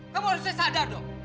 kamu harusnya sadar dong